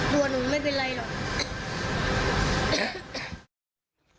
ปล่วนหนูไม่เป็นไรหรอก